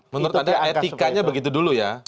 menurut anda etikanya begitu dulu ya